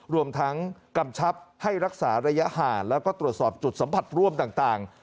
รวมทั้งกำชับให้รักษาระยะห่างแล้วก็ตรวจสอบจุดสัมผัสร่วมต่าง